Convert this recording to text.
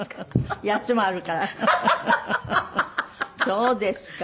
そうですか。